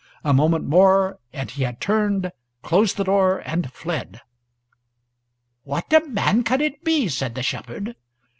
A moment more, and he had turned, closed the door, and fled. "What a man can it be?" said the shepherd.